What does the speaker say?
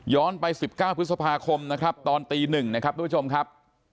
ไป๑๙พฤษภาคมนะครับตอนตี๑นะครับทุกผู้ชมครับ